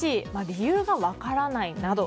理由が分からないなど